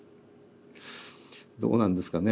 どうなんですかね